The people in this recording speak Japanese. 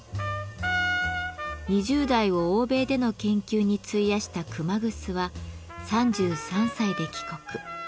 ２０代を欧米での研究に費やした熊楠は３３歳で帰国。